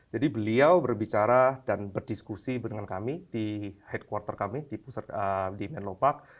jadi beliau berbicara dan berdiskusi dengan kami di headquarter kami di menlo park